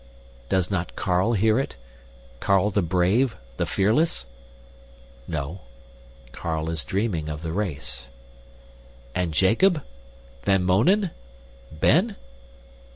Does not Carl hear it Carl the brave, the fearless? No. Carl is dreaming of the race. And Jacob? Van Mounen? Ben?